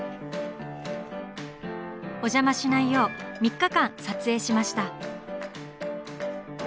お邪魔しないよう３日間撮影しました。